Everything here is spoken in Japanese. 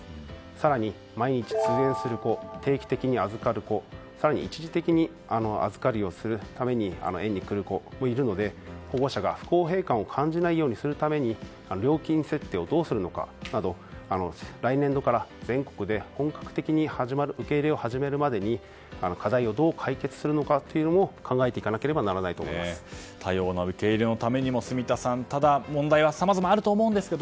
更に毎日通園する子定期的に預かる子更に一時的に預かりをするために園に来る子もいるので保護者が不公平感を感じないようにするために料金設定をどうするのかなど来年度から全国で本格的に受け入れを始めるまでに課題をどう解決するのかも考えていかなければいけないと多様な受け入れのためにもただ、問題はさまざまあると思うんですが。